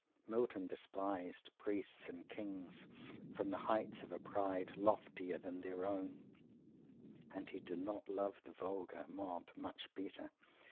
Milton despised "priests and kings" from the heights of a pride loftier than their own and he did not love the vulgar mob much better.